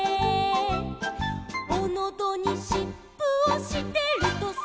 「おのどにしっぷをしてるとさ」